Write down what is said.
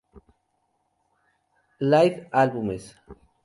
Live álbumes